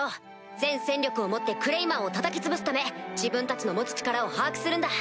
全戦力をもってクレイマンをたたき潰すため自分たちの持つ力を把握するんだ。